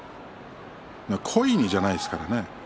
故意にじゃないですからね。